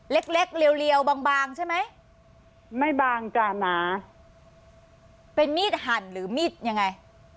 เล็กเล็กเรียวบางบางใช่ไหมไม่บางจ้ะหนาเป็นมีดหั่นหรือมีดยังไง